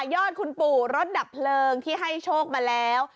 ยอดคุณปู่รถดับเพลิงที่ให้โชคมาแล้ว